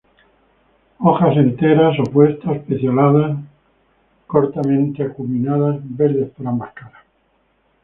Hojas enteras, opuestas, pecioladas, cortamente acuminadas, verdes por ambas caras.